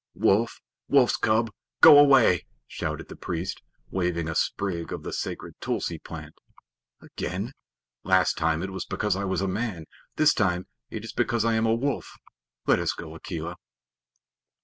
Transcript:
"Wolf! Wolf's cub! Go away!" shouted the priest, waving a sprig of the sacred tulsi plant. "Again? Last time it was because I was a man. This time it is because I am a wolf. Let us go, Akela."